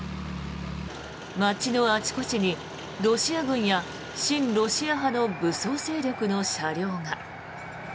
街のあちこちにロシア軍や親ロシア派の武装勢力の車両が。